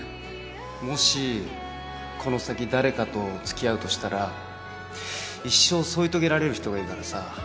もしこの先誰かと付き合うとしたら一生添い遂げられる人がいいからさ。